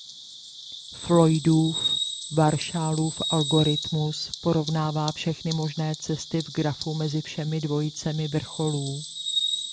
Floydův–Warshallův algoritmus porovnává všechny možné cesty v grafu mezi všemi dvojicemi vrcholů.